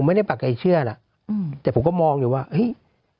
ผมไม่ได้ปากใครเชื่อล่ะแต่ผมก็มองอยู่ว่าเฮ้ย